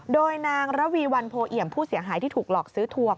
โดยนางระวีวันโพเอี่ยมผู้เสียหายที่ถูกหลอกซื้อทัวร์